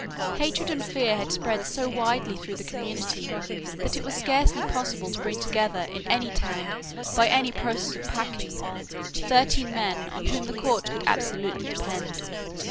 Hatred and fear had spread so widely through the community that it was scarcely possible to bring together in any town, by any process of packing, thirteen men on whom the court could absolutely depend.